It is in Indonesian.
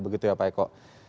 begitu ya pak eko